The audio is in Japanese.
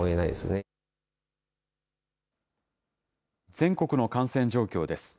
全国の感染状況です。